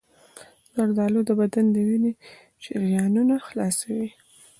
زردآلو د بدن د وینې شریانونه خلاصوي.